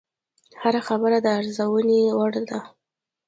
هره خبره د ارزونې وړ ده